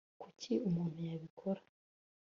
kuki umuntu yabikora